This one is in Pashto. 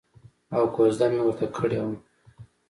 او کوزده مې ورته کړې وه.